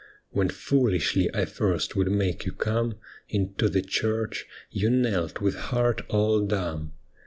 When foolishly I first would make you come Into the church, you knelt with heart all dumb.